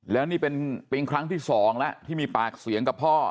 แล้วนี่เป็นครั้งที่สองแล้วที่มีปากเสียงกับพ่อ